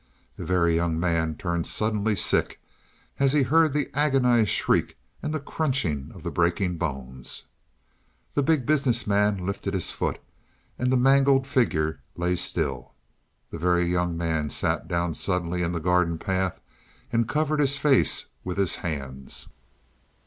The Very Young Man turned suddenly sick as he heard the agonized shriek and the crunching of the breaking bones. The Big Business Man lifted his foot, and the mangled figure lay still. The Very Young Man sat down suddenly in the garden path and covered his face with his hands.